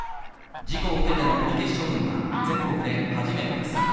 事故を受けての取り消し処分は全国で初めてです。